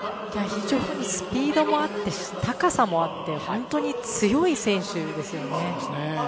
非常にスピードもあって高さもあって本当に強い選手です。